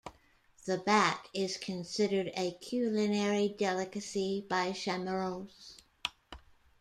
The bat is considered a culinary delicacy by Chamorros.